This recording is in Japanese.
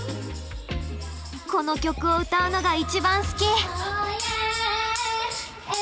この曲を歌うのが一番好き！